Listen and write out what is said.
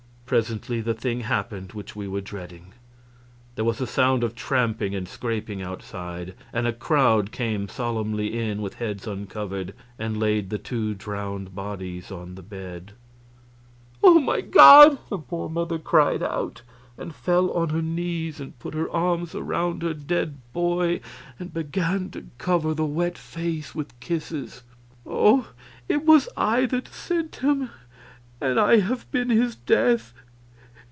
Presently the thing happened which we were dreading. There was a sound of tramping and scraping outside, and a crowd came solemnly in, with heads uncovered, and laid the two drowned bodies on the bed. "Oh, my God!" that poor mother cried out, and fell on her knees, and put her arms about her dead boy and began to cover the wet face with kisses. "Oh, it was I that sent him, and I have been his death.